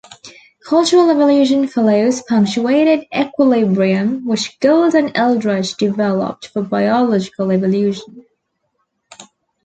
Cultural evolution follows punctuated equilibrium which Gould and Eldredge developed for biological evolution.